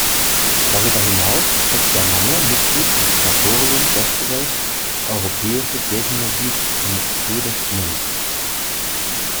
Darüber hinaus ist Christian Lange Mitglied im Kuratorium Festival Europäische Kirchenmusik in Schwäbisch Gmünd.